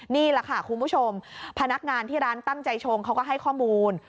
นี่แหละค่ะคุณผู้ชมพนักงานที่ร้านตั้งใจชงเขาก็ให้ข้อมูล